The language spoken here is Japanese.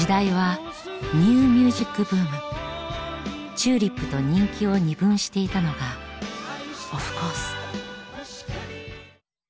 ＴＵＬＩＰと人気を二分していたのがオフコース。